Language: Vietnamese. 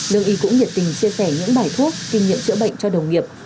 lương y cũng nhiệt tình chia sẻ những bài thuốc kinh nghiệm chữa bệnh cho đồng nghiệp